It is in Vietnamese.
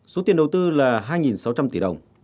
số tiền đầu tư là hai sáu trăm linh tỷ đồng